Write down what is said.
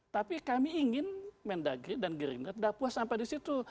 tapi kami ingin mendagri dan gerindra tidak puas sampai di situ